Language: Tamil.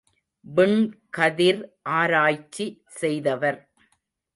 விண்கதிர் ஆராய்ச்சி செய்தவர்.